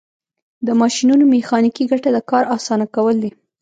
د ماشینونو میخانیکي ګټه د کار اسانه کول دي.